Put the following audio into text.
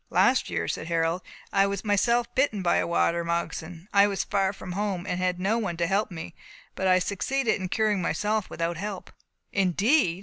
"Last year," said Harold, "I was myself bitten by a water moccasin. I was far from home, and had no one to help me; but I succeeded in curing myself, without help." "Indeed!